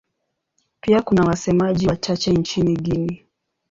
Pia kuna wasemaji wachache nchini Guinea.